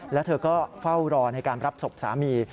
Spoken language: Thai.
แล้วเธอก็เฝ้ารอในการรับศพสามี